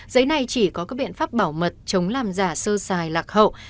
giấy này chỉ có các biện pháp bảo mật chống làm giả sơ xài lạc hậu